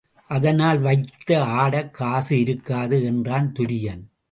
அதனால் வைத்து ஆடக் காசு இருக்காது என்றான் துரியன்.